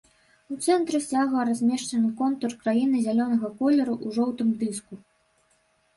У цэнтры сцяга размешчаны контур краіны зялёнага колеру ў жоўтым дыску.